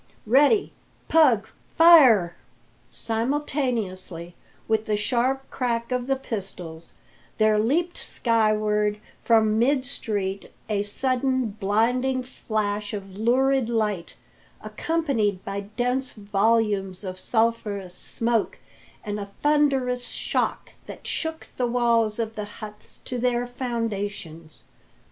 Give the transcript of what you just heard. "Ready, Pug. Fire!" Simultaneously with the sharp crack of the pistols, there leapt skyward from mid street a sudden, blinding flash of lurid light, accompanied by dense volumes of sulphurous smoke, and a thunderous shock that shook the walls of the huts to their foundations.